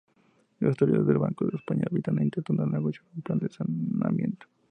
Las autoridades del Banco de España habían intentado negociar un plan de saneamiento.